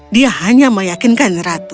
dia hanya meyakinkan ratu